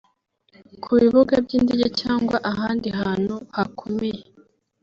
Ku bibuga by’indege cyangwa ahandi hantu hakomeye